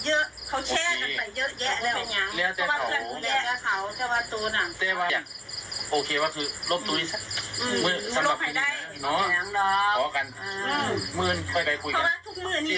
แล้วนี้ที่บ้านอยู่หลังแหนงนี้น่ะ